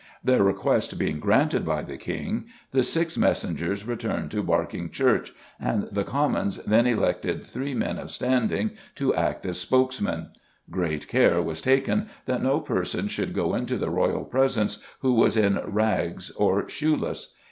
Their request being granted by the King "the six messengers returned to Barking Church ... and the Commons then elected three men of standing to act as spokesmen. Great care was taken that no person should go into the royal presence who was in rags or shoeless.